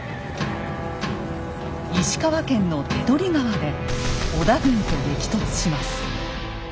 石川県の手取川で織田軍と激突します。